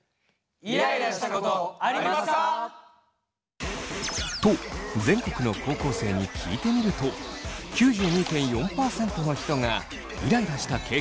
イライラしたことありますか？と全国の高校生に聞いてみると９２．４％の人がイライラした経験があるそう。